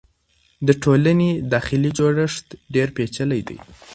د ټولنې داخلي جوړښت ډېر پېچلی دی.